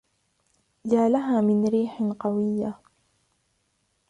يا لها من ريح قوية!